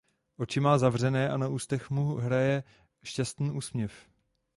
Oči má zavřené a na ústech mu hraje šťastný úsměv.